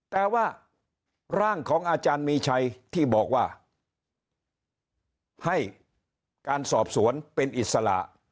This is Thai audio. แต่ว่าร่างของอาจารย์มีชัยที่บอกว่าให้การสอบสวนเป็นอิสระ